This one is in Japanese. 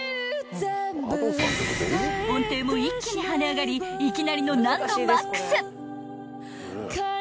［音程も一気に跳ね上がりいきなりの難度マックス］